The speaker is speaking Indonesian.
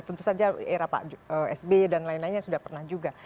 tentu saja era pak sby dan lain lainnya sudah pernah juga